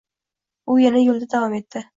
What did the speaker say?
U yana yoʻlida davom etdi